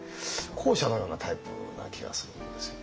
後者のようなタイプのような気がするんですよね。